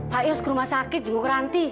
pak ius ke rumah sakit jemput ranti